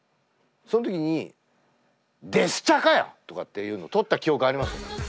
そん時に「デスチャかよ！」とかっていうのとった記憶あります。